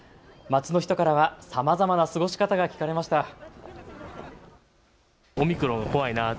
街の人からはさまざまな過ごし方が聞かれました。